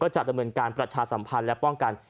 จะดำเนินการประชาสัมพันธ์และป้องกัน